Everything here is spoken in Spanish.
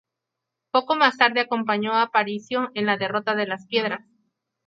Poco más tarde acompañó a Aparicio en la derrota de Las Piedras.